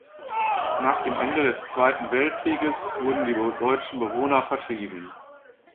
Nach dem Ende des Zweiten Weltkrieges wurden die deutschen Bewohner vertrieben.